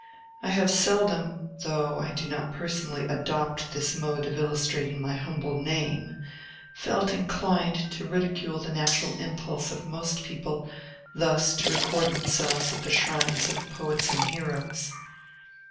I have seldom (though I do not, personally adopt this mode of illustrating my bumble name) felt inclined to ridicule the natural impulse of most people thus to record themselves at the shrines of poets and heroes.